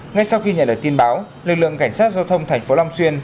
ngay sau khi nhận được tin báo lực lượng cảnh sát giao thông thành phố long xuyên